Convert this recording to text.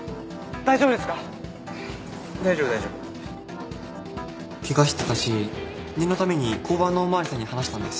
大丈夫大丈夫ケガしてたし念のために交番のおまわりさんに話したんです。